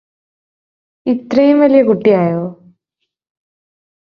ഇത്രെയും വലിയ കുട്ടിയായോ